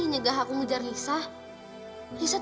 susah sih kago melatih keluar makin linang